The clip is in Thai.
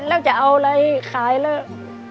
แล้วจะเอาอะไรขายแล้ว